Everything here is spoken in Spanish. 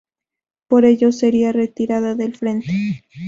Por ello, sería retirada del frente.